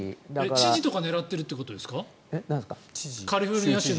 知事とか狙ってるってことですか？